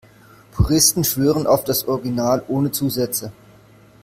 Puristen schwören auf das Original ohne Zusätze.